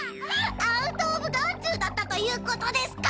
アウトオブ眼中だったということですか！